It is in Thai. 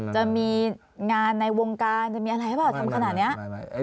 จะมีงานในวงการจะมีอะไรหรือเปล่าทำขนาดนี้